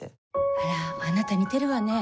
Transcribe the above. あらあなた似てるわねぇ